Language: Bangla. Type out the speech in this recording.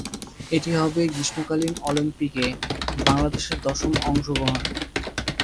এটি হবে গ্রীষ্মকালীন অলিম্পিকে বাংলাদেশের দশম অংশগ্রহণ।